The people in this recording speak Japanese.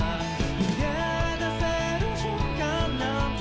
「逃げ出せる瞬間なんて」